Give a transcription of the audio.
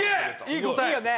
いい答え。